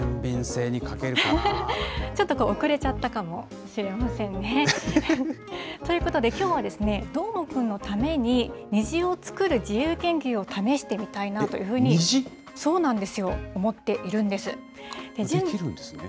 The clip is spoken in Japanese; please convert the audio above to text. ちょっと遅れちゃったかもしれませんね。ということで、きょうはどーもくんのために、虹を作る自由研究を試してみたいなというふうに思っできるんですね。